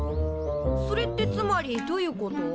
それってつまりどういうこと？